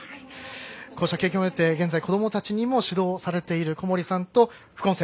こうした経験を経て現在、子どもたちに指導されている小森さんと副音声